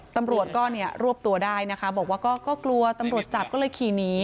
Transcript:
ตำรวจก็เนี่ยรวบตัวได้นะคะบอกว่าก็กลัวตำรวจจับก็เลยขี่หนี